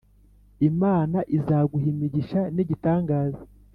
imana izaguha imigisha nigitangaza